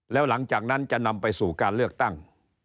แล้วหลังจากนั้นจะนำไปสู่การเลือกตั้ง